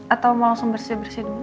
atau mau langsung bersih bersih dulu